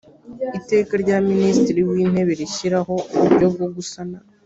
iteka rya minisitiri w’intebe rishyiraho uburyo bwo gusana